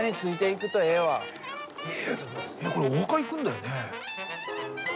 いやこれお墓行くんだよね？